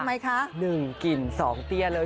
หนึ่งกริ่นสองเตี้ยเลย